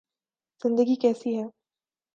زندگی کیسی ہے